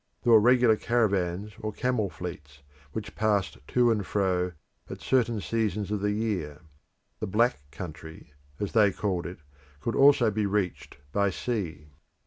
There were regular caravans or camel fleets, which passed to and fro at certain seasons of the year. The Black Country, as they called it, could also be reached by sea.